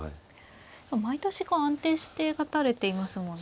毎年こう安定して勝たれていますもんね。